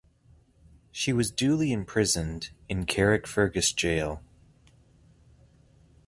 She was duly imprisoned in Carrickfergus gaol.